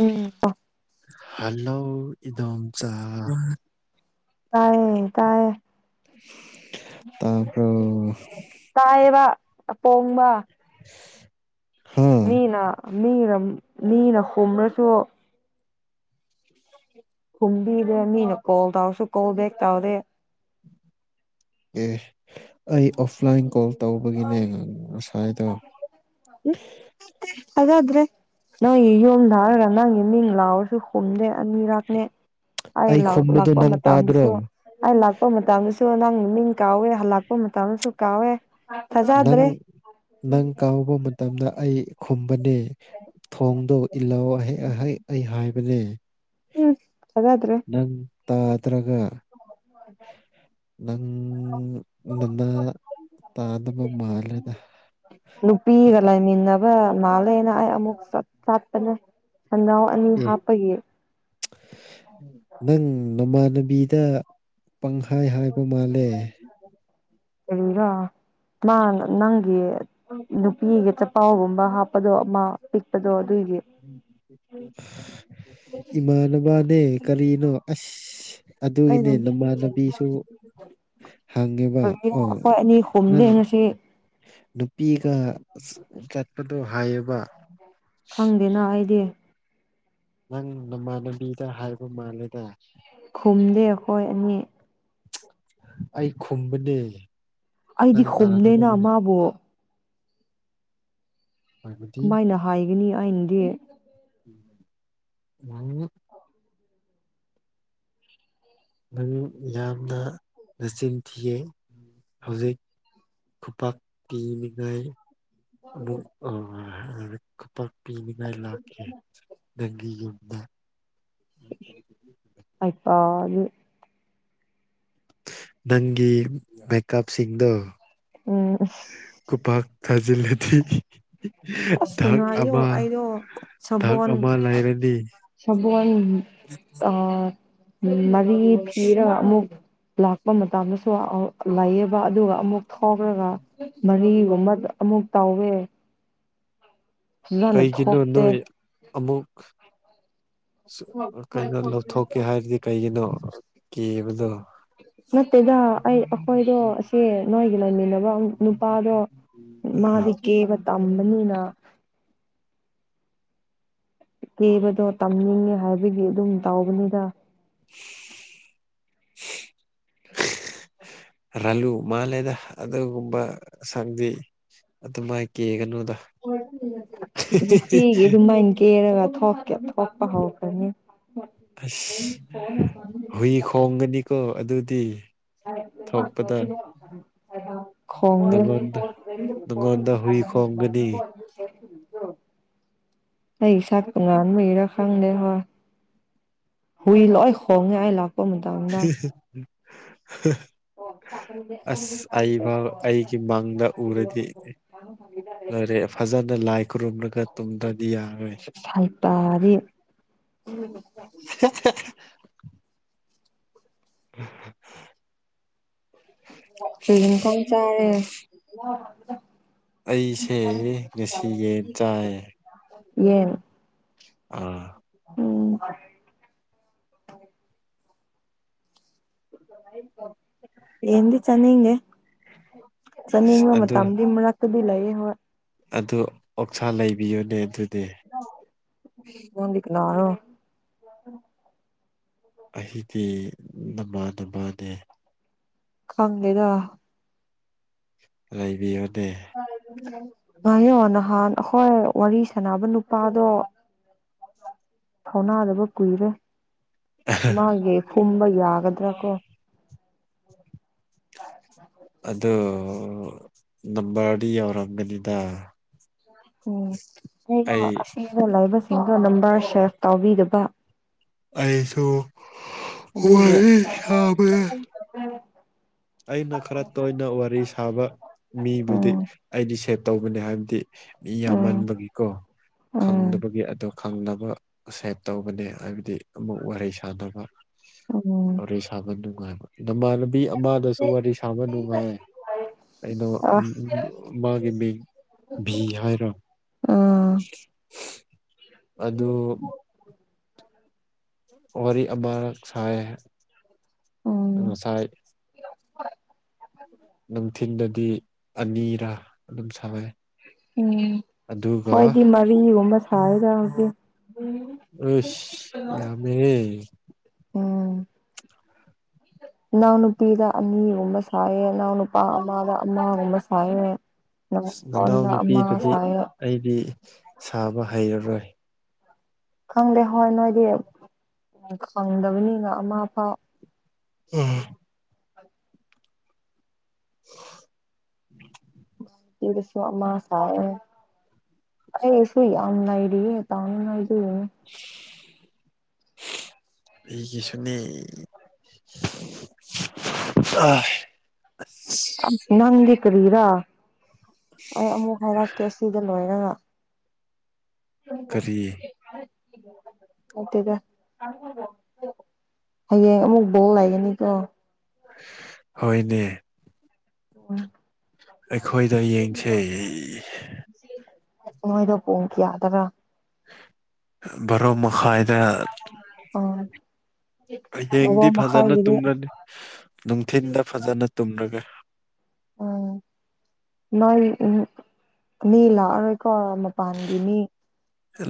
ꯎꯝ ꯑꯣ ꯍꯜꯂꯣ ꯏꯗꯣꯝꯆꯥ ꯇꯥꯏꯌꯦ ꯇꯥꯏꯌꯦ ꯇꯕ꯭ꯔꯣ ꯇꯥꯏꯌꯦꯕ ꯑꯄꯣꯡꯕ [inaudible] ꯍꯥ ꯃꯤꯅ ꯃꯤꯅ ꯃꯤꯅ ꯍꯨꯝ꯭ꯔꯁꯨ ꯈꯨꯝꯕꯤꯗꯦ ꯃꯤꯅ ꯀꯣꯜ ꯇꯧꯔꯁꯨ ꯀꯣꯜ ꯕꯦꯛ ꯇꯧꯔꯦ ꯑꯦ ꯑꯩ ꯑꯣꯐꯂꯥꯏꯟ ꯀꯣꯜ ꯇꯧꯕꯒꯤꯅꯦ ꯉꯁꯥꯏꯗꯣ ꯊꯖꯗꯔꯦ ꯅꯪꯒꯤ ꯌꯨꯝꯝꯗꯔꯒ ꯅꯪꯒꯤ ꯃꯤꯡ ꯂꯥꯎꯔꯁꯨ ꯍꯨꯝꯗꯦ ꯑꯅꯤꯔꯛꯅꯦ ꯑꯩ ꯈꯨꯝꯕꯗꯣ ꯂꯥꯛꯄ ꯅꯪ ꯇꯥꯗ꯭ꯔꯣ ꯃꯇꯝꯗꯁꯨ ꯑꯩ ꯂꯥꯛꯄ ꯃꯇꯝꯗꯁꯨ ꯅꯪꯒꯤ ꯃꯤꯡ ꯀꯥꯎꯋꯦ ꯍꯜꯂꯥꯛꯄ ꯃꯇꯝꯗꯁꯨ ꯀꯥꯎꯋꯦ ꯅꯪ ꯊꯥꯖꯗ꯭ꯔꯦ ꯅꯪ ꯀꯥꯎꯕ ꯃꯇꯝꯗ ꯑꯩ ꯈꯨꯝꯕꯅꯦ ꯊꯣꯡꯗꯣ ꯏꯜꯍꯧ ꯑꯍꯦꯛ ꯑꯍꯦꯛ ꯑꯩ ꯍꯥꯏꯕꯅꯦ ꯎꯝ ꯊꯖꯗ꯭ꯔꯦ ꯅꯪ ꯇꯥꯗ꯭ꯔꯒ ꯅꯪ ꯅꯅꯥ ꯇꯥꯗꯕ ꯃꯥꯜꯂꯦꯗ ꯅꯨꯄꯤꯒ ꯂꯩꯃꯤꯟꯅꯕ ꯃꯥꯜꯂꯦꯅ ꯑꯩ ꯑꯃꯨꯛ ꯆꯠꯄꯅꯦ ꯑꯅꯤ ꯑꯦ ꯍꯥꯞꯄꯒꯤ ꯅꯪ ꯅꯃꯥꯟꯅꯕꯤꯗ ꯄꯪꯈꯥꯏ ꯍꯥꯏꯕ ꯃꯥꯜꯂꯦ ꯀꯔꯤꯔ ꯅ ꯅꯪ ꯅꯨꯄꯤꯒ ꯆꯄꯥꯎꯒꯨꯝꯕ ꯍꯥꯞꯄꯗꯣ ꯑꯃ ꯄꯤꯛꯄꯗꯣ ꯑꯗꯨꯒꯤ ꯏꯃꯥꯟꯅꯕꯅꯦ ꯀꯔꯤꯅꯣ ꯑꯁ ꯑꯗꯨꯒꯤꯅꯦ ꯅꯃꯥꯟꯅꯕꯤꯁꯨ ꯍꯪꯉꯦꯕ ꯑꯧ ꯑꯩꯈꯣꯏ ꯑꯅꯤ ꯍꯨꯝꯗꯦ ꯅꯪ ꯉꯁꯤ ꯅꯨꯄꯤꯒ ꯆꯠꯄꯗꯣ ꯍꯥꯏꯌꯦ ꯈꯪꯗꯦꯅ ꯑꯩꯗꯤ ꯅꯪ ꯅꯃꯥꯟꯅꯕꯤꯗ ꯍꯥꯏꯕ ꯃꯥꯜꯂꯦꯗ ꯈꯨꯝꯗꯦ ꯑꯩꯈꯣꯏ ꯑꯅꯤ ꯑꯩ ꯈꯨꯝꯕꯗꯤ ꯑꯩꯗꯤ ꯈꯨꯝꯅꯦꯅ ꯃꯥꯕꯨ ꯍꯥꯏꯕꯗꯤ ꯀꯃꯥꯏꯅ ꯍꯥꯏꯒꯅꯤ ꯑꯩꯅꯗꯤ [unintelligible] ꯅꯪ ꯌꯥꯝꯅ ꯅꯆꯤꯟ ꯊꯤꯌꯦ ꯍꯧꯖꯤꯛ ꯈꯨꯄꯥꯛ ꯀꯤꯅꯤꯉꯥꯏ ꯑꯃꯨꯛ ꯑꯥ ꯈꯨꯄꯥꯛ ꯀꯤꯅꯤꯡꯉꯥꯏ ꯂꯥꯛꯀ‌ꯦ ꯅꯪꯒꯤ ꯌꯨꯝꯗ ꯍꯥꯏꯄꯗꯤ ꯅꯪꯒꯤ ꯃꯦꯀꯞ ꯁꯤꯡꯗꯣ ꯎꯝ ꯈꯨꯄꯥꯛ ꯊꯥꯖꯤꯜꯂꯗꯤ ꯑꯁ ꯗꯛ ꯉꯥꯏꯌꯣ ꯑꯃ ꯑꯩꯗꯣ ꯗꯛ ꯑꯃ ꯂꯩꯔꯅꯤ ꯁꯒꯣꯟ ꯑ ꯃꯔꯤ ꯐꯤꯔ ꯑꯃꯨꯛ ꯂꯥꯛꯄ ꯃꯇꯝꯗꯁꯨ ꯂꯥꯏꯌꯦꯕ ꯑꯗꯨꯒ ꯑꯃꯨꯛ ꯊꯣꯛꯔꯒ ꯃꯔꯤꯒꯨꯝꯕ ꯑꯃꯨꯛ ꯇꯥꯎꯋꯦ ꯀꯩꯒꯤꯅꯣ ꯊꯣꯛꯇꯦ ꯅꯣꯏ ꯑꯃꯨꯛꯁꯨ ꯀꯩꯅꯣ ꯂꯧꯊꯣꯛꯀꯦ ꯍꯥꯏꯔꯗꯤ ꯀꯩꯒꯤꯅꯣ ꯀꯤꯕꯗꯣ ꯅꯠꯇꯦꯗ ꯑꯩ ꯑꯩꯈꯣꯏꯗꯣ ꯑꯁ‌ꯦ ꯅꯣꯏꯒ ꯂꯩꯃꯤꯟꯅꯕ ꯅꯨ ꯅꯨꯄꯥꯗꯣ ꯃꯥꯗꯤ ꯀꯦꯕ ꯇꯝꯕꯅꯤꯅ ꯀꯦꯕꯗꯣ ꯇꯝꯅꯤꯡꯉꯦ ꯍꯥꯏꯕꯒꯤ ꯑꯗꯨꯝ ꯇꯥꯎꯕꯅꯤꯗ [inaudible] ꯔꯥꯂꯨ ꯃꯥꯜꯂꯦꯗ ꯑꯗꯨꯒꯨꯝꯕ ꯁꯪꯗꯤ ꯑꯗꯨꯃꯥꯏ ꯀꯦꯒꯅꯨꯗ ꯅꯨꯡꯇꯤꯒꯤ ꯑꯗꯨꯃꯥꯏꯅ ꯀꯦꯔꯒ ꯊꯣꯛꯀ‌ꯦ ꯊ‌ꯣꯛꯄ ꯍꯧꯒꯅꯤ ꯑꯁ ꯍꯨꯏ ꯈꯣꯡꯒꯅꯤꯀꯣ ꯑꯗꯨꯗꯤ ꯊꯣꯛꯄꯗ ꯅꯪꯉꯣꯟꯗ ꯈ‌ꯣꯡꯒꯅꯤ ꯅꯪꯉꯣꯟꯗ ꯍꯨꯏ ꯈꯣꯡꯒꯅꯤ [inaudible] ꯑꯩ ꯏꯁꯛ ꯇꯣꯉꯥꯟꯕꯒꯤꯔꯥ ꯈꯪꯗꯦ ꯍꯣꯏ ꯍꯨꯏ ꯂꯣꯏ ꯈꯣꯡꯉꯦ ꯑꯩ ꯂꯥꯛ ꯄ ꯃꯇꯝ [unintelligible] ꯑꯁ ꯑꯩꯐꯥꯎ ꯑꯩꯒꯤ [unintelligible] ꯂꯥꯛꯔ‌ꯦ ꯐꯖꯅ ꯂꯥꯏ ꯈꯨꯔꯨꯝꯂꯒ ꯇꯨꯝꯗ꯭ꯔꯗꯤ ꯌꯥꯔꯔꯣꯏ ꯁꯥꯏꯇꯥꯗꯤ [unintelligible] [unintelligible] ꯀꯔꯤ ꯏꯟꯁꯥꯡ ꯆꯥꯔꯦ ꯑꯩꯁꯦ ꯉꯁꯤ ꯌ‌ꯦꯟ ꯆꯥꯏꯌ‌ꯦ ꯌ‌ꯦꯟ ꯑꯥ ꯎꯝ ꯌꯦꯟꯗꯤ ꯆꯥꯅꯤꯡꯗꯦ ꯑꯁ ꯆꯅꯤꯡꯕ ꯑꯗꯨ ꯃꯇꯝꯗꯤ ꯃꯔꯛꯇꯗꯤ‌ ꯂꯩꯌꯦ ꯍꯣꯏ ꯑꯗꯨ ꯑꯣꯛꯁꯥ ꯂꯩꯕꯤꯌꯨꯅꯦ ꯑꯗꯨꯗꯤ꯫ ꯅꯪꯗꯤ ꯀꯅꯥꯔꯣ ꯑꯩꯗꯤ ꯅꯃꯥꯟꯅꯕꯅꯦ ꯈꯪꯗ‌ꯦꯗ ꯂꯩꯕꯤꯌꯨꯅꯦ ꯎ [inaudible] ꯉꯥꯢꯌꯣ ꯅꯍꯥꯟ ꯑꯩꯈꯣꯏ ꯋꯥꯔꯤ ꯁꯥꯟꯅꯕ ꯅꯨꯄꯥꯗꯣ ꯊꯧꯅꯥꯗꯕ ꯀꯨꯏꯔꯦ ꯃꯥꯒꯤ ꯈꯨꯝꯕ ꯌꯥꯒꯗ꯭ꯔꯥ ꯀꯣ ꯑꯗꯣ ꯅꯝꯕꯔꯗꯤ ꯌꯧꯔꯝꯒꯅꯤꯗ ꯎꯝ ꯌꯦꯡꯉꯣ ꯑꯩ ꯑꯁꯤꯕꯨ ꯂꯩꯕꯁꯤꯡꯗꯣ ꯅꯝꯕꯔ ꯁꯦꯚ ꯇꯧꯕꯤꯗꯕ ꯑꯩꯁꯨ ꯋꯥꯔꯤ ꯁꯥꯕ ꯌꯥꯏ ꯎꯝ ꯑꯩꯅ ꯈꯔ ꯇꯣꯏꯅ ꯋꯥꯔꯤ ꯁꯥꯕ ꯃꯤꯕꯨꯗꯤ ꯎꯝ ꯑꯩꯗꯤ ꯁꯦꯞ ꯇꯧꯕꯅꯤ ꯍꯥꯏꯕꯗꯤ ꯃꯤ ꯎꯝ ꯌꯥꯝꯃꯟꯕꯒꯤꯀꯣ ꯎꯝ ꯈꯪꯗꯕꯒꯤ ꯑꯗꯣ ꯈꯪꯅꯕ ꯁꯦꯞ ꯇꯧꯕꯅꯦ ꯍꯥꯏꯕꯗꯤ ꯑꯃꯨꯛ ꯋꯥꯔꯤ ꯁꯥꯟꯅꯕ ꯎꯝ ꯋꯥꯔꯤ ꯁꯥꯕ ꯅꯨꯡꯉꯥꯏꯕ ꯅꯃꯥꯟꯅꯕꯤ ꯑꯃꯗꯨꯁꯨ ꯋꯥꯔꯤ ꯁꯥꯕ ꯅꯨꯡꯉꯥꯏ ꯑꯩꯗꯣ ꯑꯁ ꯑꯝꯑꯝ ꯃꯥꯒꯤ ꯃꯤꯡ ꯚꯤ ꯍꯥꯏꯔꯣ ꯎꯝ ꯑꯗꯨ [unintelligible] ꯋꯥꯔꯤ ꯑꯃꯔꯛ ꯁꯥꯏꯌꯦ ꯎꯝ ꯉꯁꯥꯏ [inaudible] ꯅꯨꯡꯊꯤꯟꯗꯗꯤ ꯑꯅꯤꯔꯥ ꯑꯗꯨꯝ ꯁꯅꯩ ꯎꯝ ꯈ‌ꯣꯏꯗꯤ ꯃꯔꯤꯒꯨꯝꯕ ꯁꯥꯏꯌ‌ꯦꯗ ꯉꯁꯤ ꯑꯁ ꯌꯥꯝꯃꯦꯌꯦ꯫ ꯎꯝ꯫ ꯏꯅꯥꯎ ꯅꯨꯄꯤꯒ ꯑꯅꯤꯒꯨꯝꯕ ꯁꯥꯏꯌꯦ ꯏꯅꯥꯎ ꯅꯨꯄꯥ ꯑꯃꯒ ꯑꯃꯒꯨꯝꯕ ꯁꯥꯏꯌꯦ ꯅꯅꯥꯎ ꯅꯉꯣꯟꯗ ꯑꯃ ꯅꯨꯄꯤꯗꯗꯤ ꯁꯥꯏꯌꯦ ꯑꯩꯗꯤ ꯁꯥꯕ ꯍꯩꯔꯔꯣꯏ꯫ ꯈꯪꯗꯦ ꯍꯣꯏ ꯅꯣꯏꯗꯤ ꯎ ꯈꯪꯗꯕꯅꯤꯅ ꯑꯃ ꯐꯥꯎ ꯑꯦ [unintelligible] ꯁꯤꯗꯁꯨ ꯑꯃꯥ ꯁꯥꯏꯌꯦ ꯑꯩꯁꯨꯨ ꯌꯥꯝꯔꯤꯌꯦ ꯇꯥꯎꯅꯉꯥꯏꯒꯤ ꯑꯩꯒꯤꯁꯨꯅꯦ ꯑ [inaudible] ꯑꯁ ꯅꯪꯗꯤ ꯀꯔꯤꯔ ꯑ [inaudible] ꯑꯩ ꯑꯃꯨꯛ ꯍꯥꯏꯔꯛꯀꯦ ꯁꯤꯗ ꯂꯣꯏꯔꯒ꯫ ꯀꯔꯤ ꯅꯠꯇꯦꯗ ꯍꯌꯦꯡ ꯑꯃꯨꯛ ꯕꯣꯜ ꯂꯩꯒꯅꯤꯀꯣ ꯍꯣꯏꯅꯦ ꯑꯝ ꯑꯩꯈꯣꯏꯗ ꯌꯦꯡꯁꯦ꯫ ꯃꯣꯢꯗꯣ ꯄꯨꯡ ꯀꯌꯥꯗꯔꯥ ꯚꯔꯣ ꯃꯈꯥꯏꯗ ꯑꯣ ꯕꯔꯣ ꯍꯌꯦꯡꯗꯤ ꯐꯖꯅ ꯃꯈꯥꯏꯒꯤꯗꯤ ꯇꯨꯝꯂꯅꯤ ꯅꯨꯡꯊꯤꯟꯗ ꯐꯖꯅ ꯇꯨꯝꯂꯒ ꯎꯝ [unintelligible] ꯅꯣꯏ ꯃꯤ ꯂꯥꯛꯑꯔꯣꯏꯀꯣ ꯃꯄꯥꯟꯒꯤ ꯃꯤ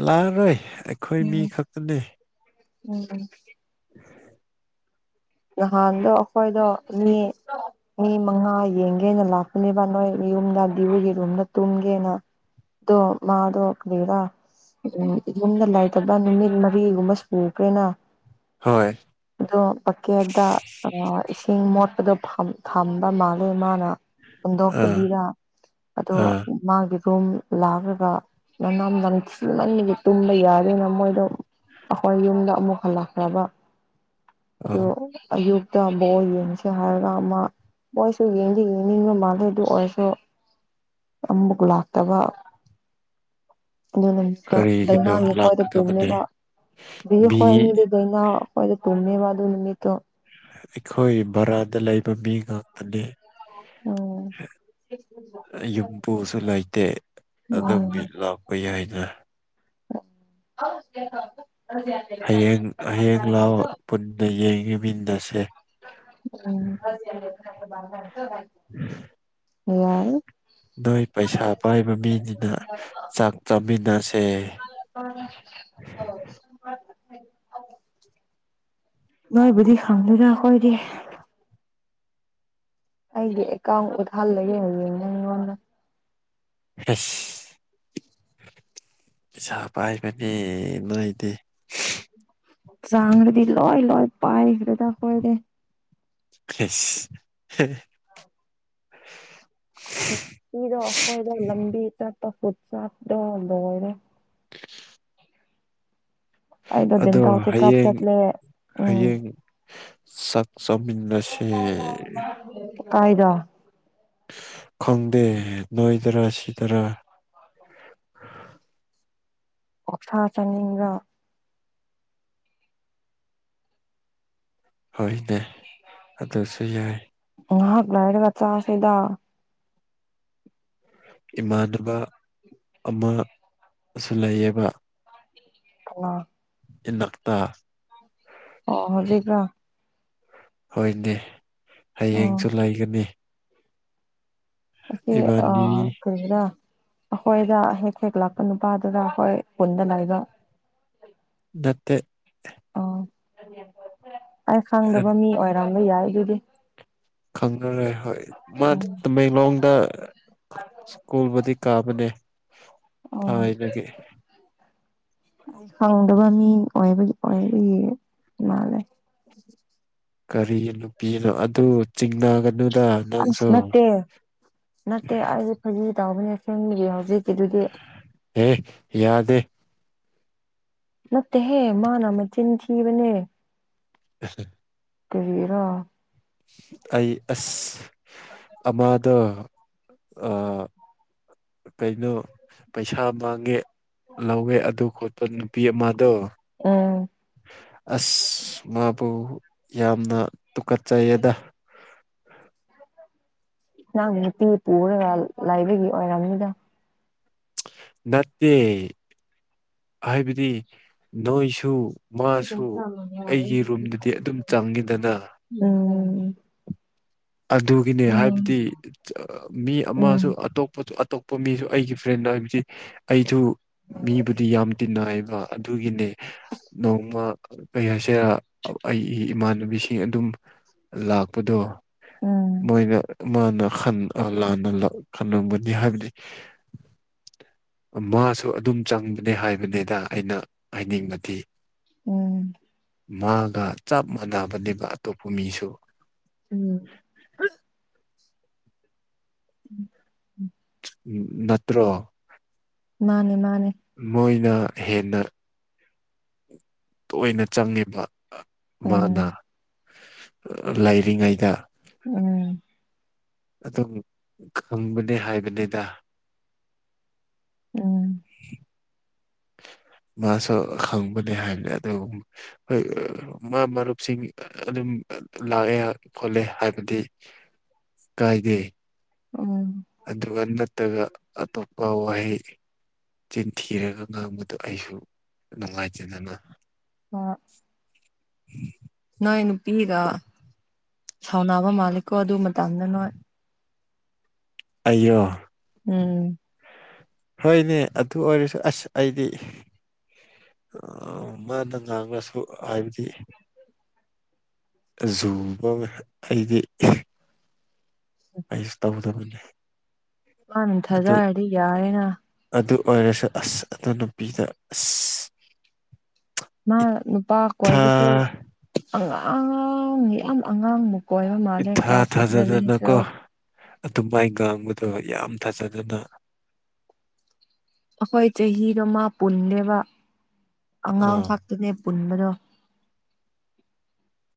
ꯂꯥꯛꯑꯔꯣꯏ ꯑꯩꯈꯣꯏ ꯃꯤ ꯈꯛꯇꯅꯦ ꯎꯝ ꯎꯝ ꯅꯍꯥꯟꯗꯣ ꯑꯈꯣꯏꯗꯣ ꯃꯤ ꯃꯤ ꯃꯉꯥ ꯌꯦꯡꯒꯦꯅ ꯂꯥꯛꯄꯅꯦꯕ ꯅꯣꯏ ꯌꯨꯝꯗ ꯕꯤꯋꯨꯒꯤ ꯔꯨꯝꯗ ꯇꯨꯝꯒꯦꯅ ꯗꯣ ꯃꯗꯣ ꯀꯔꯤꯔ ꯎꯝ ꯌꯨꯝꯗ ꯂꯥꯢꯗꯕ ꯅꯨꯃꯤꯠ ꯃꯔꯤꯒꯨꯝꯕ ꯁꯨꯈ꯭ꯔꯦꯅ ꯍꯣꯏ꯫ ꯑꯗꯣ ꯄꯀꯦꯠꯇ ꯑ ꯏꯁꯤꯡ ꯃꯣꯠꯄꯗꯣ ꯐꯝ ꯊꯝꯕ ꯃꯥꯜꯂꯦ ꯃꯥꯅ ꯑꯥ ꯍꯨꯟꯗꯣꯛꯇꯕꯤꯗ ꯑꯗꯣ ꯑꯥ ꯃꯥꯒꯤ ꯔꯨꯝ ꯂꯥꯛꯔꯒ ꯃꯅꯝ ꯅꯝꯊꯤꯃꯟꯕꯒꯤ ꯇꯨꯝꯕ ꯌꯥꯗꯦꯅ ꯃꯣꯏꯗꯣ ꯑꯩꯈꯣꯏ ꯌꯨꯝꯗ ꯑꯃꯨꯛ ꯍꯜꯂꯛꯈ꯭ꯔꯕ? ꯑꯗꯨ ꯑꯧ ꯑꯌꯨꯛꯇ ꯕꯣꯜ ꯌꯦꯡꯁꯦ ꯍꯥꯏꯔꯒ ꯑꯃ ꯃꯣꯏꯁꯨ ꯌꯦꯡꯗꯤ ꯌꯦꯡꯅꯤꯡꯕ ꯃꯥꯜꯂꯦ ꯑꯗꯨ ꯑꯣꯏꯔꯁꯨ ꯑꯃꯨꯛ ꯂꯥꯛꯇꯕ ꯑꯗꯨ ꯅꯨꯃꯤꯠꯇꯣ ꯀꯔꯤꯒꯤꯅꯣ ꯗꯩꯅꯥꯒꯤ ꯈꯣꯏꯗ ꯂꯥꯛꯀꯗꯕꯅꯦ ꯇꯨꯝꯃꯦꯕ ꯑꯗꯨꯒꯤ ꯃꯤ ꯑꯩꯈꯣꯢ ꯑꯅꯤꯗꯤ ꯒꯩ ꯅꯥꯎ ꯑꯈꯣꯏꯗ ꯇꯨꯝꯃꯦꯕ ꯑꯗꯨ ꯅꯨꯃꯤꯠꯇꯣ ꯑꯩꯈꯣꯏ ꯕꯔꯥꯗ ꯂꯩꯕ ꯃꯤ ꯉꯥꯛꯇꯅꯦ ꯎꯝ ꯌꯨꯝꯕꯨꯨꯁꯨ ꯂꯩꯇꯦ ꯑꯗꯨꯝꯕꯤ ꯎꯝ ꯂꯥꯎ ꯑꯣꯏ ꯌꯥꯏꯗ [inaudible] ꯍꯌꯦꯡ ꯍꯌꯦꯡ ꯂꯥꯎꯋꯣ ꯄꯨꯟꯅ ꯌꯦꯡꯃꯤꯟꯅꯔꯁꯦ ꯎꯝ [unintelligible] ꯌꯥꯏ ꯅꯣꯏ ꯄꯩꯁꯥ ꯄꯥꯏꯕ ꯃꯤꯅꯤꯅ ꯆꯥꯛ ꯆꯥꯃꯤꯟꯅꯁꯦ [unintelligible] ꯅꯣꯏꯕꯨꯗꯤ ꯍꯪꯗꯦꯗ ꯑꯈꯣꯏꯗꯤ꯫ ꯑꯩꯒꯤ ꯑꯦꯀꯥꯎꯟ ꯎꯠꯍꯜꯂꯒ ꯌꯦꯡꯒꯦ ꯅꯪꯉꯣꯟꯗ ꯢꯁ ꯄꯩꯁꯥ ꯄꯥꯏꯕꯅꯦ ꯅꯣꯏꯗꯤ ꯆꯥꯡ꯭ꯗꯗꯤ ꯂꯣꯏ ꯂꯣꯏ ꯄꯥꯏꯈ꯭ꯔꯦꯗ ꯑꯈꯣꯏꯗꯤ ꯈꯁ ꯄꯤꯗꯣ ꯍꯣꯏꯗꯣ ꯂꯝꯕꯤ ꯆꯠꯄ ꯐꯨꯠ ꯁꯥꯗꯣ ꯂꯣꯏꯔꯦ ꯑꯩꯗꯣ ꯑꯗꯣ ꯗꯦꯟꯇꯦꯜ ꯆꯦꯛꯀꯞ ꯍꯌꯦꯡ ꯆꯠꯂꯦ ꯎꯝ ꯍꯌꯦꯡ ꯆꯥꯛ ꯆꯃꯤꯟꯅꯁꯦ ꯀꯥꯏꯗ ꯈꯪꯗꯦ ꯅꯣꯏꯒꯔ ꯁꯤꯗꯔ ꯑꯣꯛꯁꯥ ꯆꯥꯅꯤꯡꯕ꯭ꯔꯣ ꯍꯣꯏꯅꯦ ꯑꯗꯨꯁꯨ ꯌꯥꯏ ꯉꯍꯥꯛ ꯂꯩꯔꯒ ꯆꯥꯁꯦꯗ ꯏꯃꯥꯟꯅꯕ ꯑꯃꯁꯨ ꯂꯩꯌꯦꯕ ꯀꯅꯥ ꯏꯅꯥꯛꯇꯥ ꯑꯣ ꯍꯧꯖꯤꯛꯔꯣ ꯍꯣꯏꯅꯦ ꯎꯝ ꯍꯌꯦꯡꯁꯨ ꯂꯩꯒꯅꯤ ꯑꯁꯤ ꯑꯥ ꯏꯕꯥꯅꯤ ꯑꯗꯨꯗꯨꯅ ꯑꯩꯈꯣꯏꯗ ꯍꯦꯛ ꯍꯦꯛ ꯂꯥꯛꯄ ꯅꯨꯄꯥꯗꯨꯅ ꯑꯩꯈꯣꯏ ꯄꯨꯟꯗ ꯂꯩꯕ ꯅꯠꯇꯦ ꯑꯣ ꯑꯩ ꯈꯪꯗꯕ ꯃꯤ ꯑꯣꯏꯔꯝꯕ ꯌꯥꯏ ꯑꯗꯨꯗꯤ ꯈꯪꯅ ꯔꯦ ꯍꯣꯏ ꯃꯥꯗꯤ ꯎꯝ ꯇꯃꯦꯡ ꯈꯂꯣꯡꯗ ꯁ꯭ꯀꯨꯜꯕꯨꯗꯤ ꯀꯥꯕꯅꯦ ꯑꯣ ꯊꯥꯏꯅꯒꯤ ꯈꯪꯗꯕ ꯃꯤ ꯑꯣꯏꯕꯒꯤ ꯑꯣꯏꯕꯒꯤ ꯃꯥꯜꯂꯦ [inaudible] ꯀꯔꯤ ꯅꯨꯄꯤꯔ ꯑꯗꯨ ꯆꯤꯡꯅꯒꯅꯨꯗ ꯑꯁ ꯅꯪꯁꯨ ꯅꯠꯇꯦ ꯅꯠꯇꯦ ꯑꯩ ꯐꯒꯤ ꯇꯥꯎꯕꯅꯦ ꯑꯁꯦꯡꯕꯒꯤ ꯍꯧꯖꯤꯛꯀꯤꯗꯨꯗꯤ ꯑꯦ ꯌꯥꯗꯦ ꯅꯠꯇꯦꯍꯦ ꯃꯥꯅ ꯃꯆꯤꯟ ꯊꯤꯕꯅꯦ [inaudible] ꯀꯔꯤꯔꯥ ꯑꯩ ꯑꯁ [inaudible] ꯃꯥꯗꯣ ꯑ ꯀꯩꯅꯣ ꯄꯩꯁꯥ ꯃꯥꯡꯉꯦ ꯂꯧꯋꯦ ꯑꯗꯨ ꯈꯣꯠꯄ ꯅꯨꯄꯤ ꯑꯃꯗꯣ ꯎꯝ ꯑꯁ ꯃꯥꯕꯨ ꯌꯥꯝꯅ ꯇꯨꯀꯠꯆꯩꯌꯦꯗ ꯅꯪꯒꯤ ꯅꯨꯄꯤ ꯄꯨꯔꯒ ꯂꯥꯏꯕꯒꯤ ꯑꯣꯏꯔꯝꯅꯤꯗ ꯅꯠꯇꯦ ꯍꯥꯏꯕꯗꯤ ꯅꯣꯏꯁꯨ ꯃꯥꯁꯨ ꯑꯩꯒꯤ ꯔꯨꯝꯗꯗꯤ ꯑꯗꯨꯝ ꯆꯪꯉꯤꯗꯅ ꯑꯣ ꯑꯗꯨꯒꯤꯅꯦ ꯍꯥꯏꯕꯗꯤ ꯃꯤ ꯎꯝ ꯑꯃꯁꯨ ꯑꯇꯣꯞꯄꯁꯨ ꯄꯣꯠ ꯃꯤꯁꯨ ꯑꯩꯒꯤ ꯐ꯭ꯔꯦꯟꯗ ꯍꯥꯏꯕꯁꯤ ꯑꯩꯁꯨ ꯃꯤꯕꯨꯗꯤ ꯌꯥꯝ ꯇꯤꯟꯅꯩꯌꯦꯕ ꯑꯗꯨꯒꯤꯅꯦ ꯅꯣꯡꯃ ꯀꯩ ꯍꯥꯏꯁꯦꯔ ꯑꯩ ꯏꯃꯥꯟꯅꯕꯤꯁꯤꯡ ꯑꯗꯨꯝ ꯂꯥꯛꯄꯗꯣ ꯎꯝ ꯃꯣꯏꯅ ꯃꯥꯅ ꯈꯟ ꯂꯥꯟꯅ ꯈꯟꯂꯝꯝꯒꯅꯤ ꯍꯥꯏꯕꯗꯤ [inaudible] ꯃꯥꯁꯨ ꯑꯗꯨꯝ ꯆꯪꯕꯅꯦ ꯍꯥꯏꯕꯅꯤꯗ ꯑꯩꯅ ꯍꯥꯏꯅꯤꯡꯕꯗꯤ ꯎꯝ ꯃꯥꯒ ꯆꯞ ꯃꯥꯟꯅꯕꯅꯦꯕ ꯑꯇꯣꯞꯄ ꯃꯤꯁꯨ ꯎꯝ [inaudible] [unintelligible] ꯅꯠꯇ꯭ꯔꯣ ꯃꯥꯅꯦ ꯃꯥꯅꯦ ꯃꯣꯏꯅ ꯍꯦꯟꯅ ꯇꯣꯏꯅ ꯆꯪꯉꯦꯕ ꯎꯝ ꯃꯥꯅ ꯂꯩꯔꯤꯉꯩꯗ ꯎꯝ ꯑꯗꯨꯝ ꯈꯪꯕꯅꯦ ꯍꯥꯏꯕꯅꯤꯗ ꯎꯝ ꯃꯥꯁꯨ ꯈꯪꯕꯅꯦ ꯍꯥꯏꯕꯅꯦ ꯑꯗꯣ ꯃꯥ ꯃꯔꯨꯞꯁꯤꯡ ꯑꯗꯨꯝ ꯂꯥꯛꯑꯦ ꯈꯣꯠꯂꯦ ꯍꯥꯏꯕꯗꯤ ꯀꯥꯏꯗꯦ ꯎꯝ ꯑꯗꯨꯒ ꯅꯠꯇꯒ ꯑꯇꯣꯞꯄ ꯋꯥꯍꯩ ꯆꯤꯟ ꯊꯤꯔꯒ ꯉꯥꯡꯕꯗꯣ ꯑꯩꯁꯨ ꯅꯨꯡꯉꯥꯏꯖꯗꯅ ꯑꯥ [inaudible] ꯅꯣꯏ ꯅꯨꯄꯤꯒ ꯁꯥꯎꯅꯕ ꯃꯥꯜꯂꯤꯀꯣ ꯑꯗꯨꯃ ꯇꯟꯅ ꯅꯣꯏ ꯑꯩꯌꯣ ꯎꯝ ꯍꯣꯏꯅꯦ ꯑꯗꯨ ꯑꯣꯏꯔꯁꯨ ꯑꯁ ꯑꯩꯗꯤ ꯃꯥꯅ ꯉꯥꯡꯔꯁꯨ ꯍꯥꯏꯕꯗꯤ ꯑꯖꯨꯕ ꯉꯩꯍꯥ ꯑꯩꯗꯤ ꯑꯩꯁ ꯇꯧꯗꯕꯅꯦ ꯃꯥꯟ ꯊꯥꯖꯔꯗꯤ ꯌꯥꯔꯦꯅ ꯑꯗꯨ ꯑꯣꯏꯔꯁꯨ ꯑꯁ ꯑꯗꯨ ꯅꯨꯄꯤꯗꯣ ꯑꯁ ꯃꯥ ꯅꯨꯄꯥ ꯏꯊꯥ ꯀꯣꯏꯕꯁꯨ ꯑꯉꯥꯡ ꯌꯥꯝ ꯑꯉꯥꯡꯅꯦ ꯀꯣꯏꯕ ꯃꯥꯜꯂꯦ ꯏꯊꯥ ꯀ꯭ꯂꯥꯁ ꯏꯂꯦꯚꯦꯟ ꯊꯥꯖꯗꯅꯀꯣ ꯇ꯭ꯨꯌꯦꯜꯞ ꯑꯗꯨꯃꯥꯏ ꯉꯥꯡꯕꯗꯣ ꯌꯥꯝ ꯊꯥꯖꯗꯅ ꯑꯩꯈꯣꯏ ꯆꯍꯤꯗꯣ ꯃꯥ ꯄꯨꯟꯗꯦꯕ ꯑ ꯑꯉꯥꯡ ꯉꯥꯛꯛꯇꯅꯦ ꯄꯨꯟꯕꯗꯣ